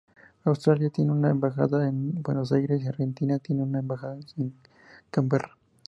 Australia tiene una embajada en Buenos Aires y Argentina tiene una embajada en Canberra.